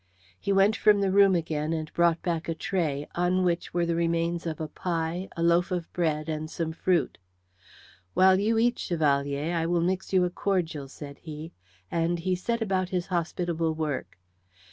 He went from the room again and brought back a tray, on which were the remains of a pie, a loaf of bread, and some fruit. "While you eat, Chevalier, I will mix you a cordial," said he, and he set about his hospitable work.